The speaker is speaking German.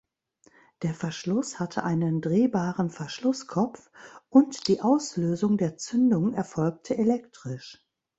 Der Verschluss hatte einen drehbaren Verschlusskopf und die Auslösung der Zündung erfolgte elektrisch.